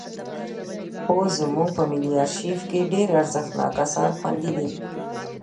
اوس زموږ په ملي ارشیف کې ډېر ارزښتناک اثار خوندي دي.